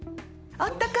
あったかい！